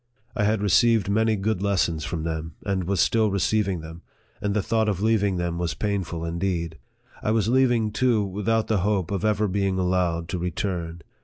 I had received many good lessons from them, and was still receiving them, and the thought of leaving them was painful indeed. I was leaving, too, without the hope of ever being allowed to return.